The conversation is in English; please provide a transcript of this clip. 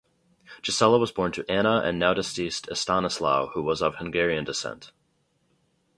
Gisela was born to Ana and now deceased Estanislao, who was of Hungarian descent.